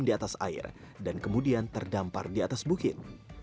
masjid kapal ini terdampar di atas air dan kemudian terdampar di atas bukit